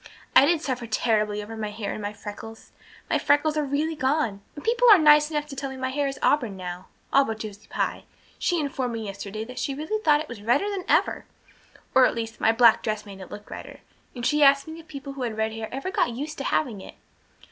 I did suffer terribly over my hair and my freckles. My freckles are really gone; and people are nice enough to tell me my hair is auburn now all but Josie Pye. She informed me yesterday that she really thought it was redder than ever, or at least my black dress made it look redder, and she asked me if people who had red hair ever got used to having it.